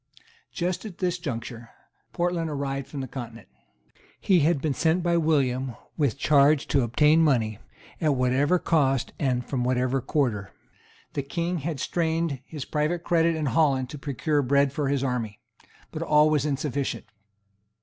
Just at this conjuncture Portland arrived from the Continent. He had been sent by William with charge to obtain money, at whatever cost and from whatever quarter. The King had strained his private credit in Holland to procure bread for his army. But all was insufficient.